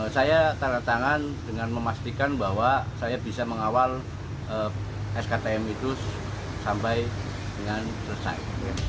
saya tanda tangan dengan memastikan bahwa saya bisa mengawal sktm itu sampai dengan selesai